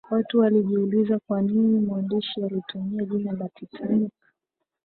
watu walijiuliza kwa nini mwandishi alitumia jina la titanic